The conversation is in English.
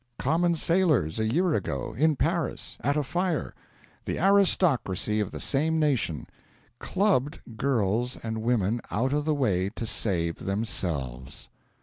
Common sailors a year ago, in Paris, at a fire, the aristocracy of the same nation clubbed girls and women out of the way to save themselves.